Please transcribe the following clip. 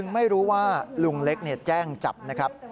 ไม่รู้ว่าลุงเล็กแจ้งจับนะครับ